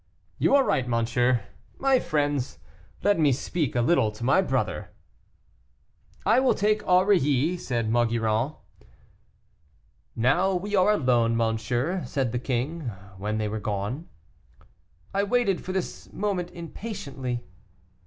"You are right, monsieur. My friends, let me speak a little to my brother." "I will take Aurilly," said Maugiron. "Now we are alone, monsieur," said the king, when they were gone. "I waited for this moment impatiently."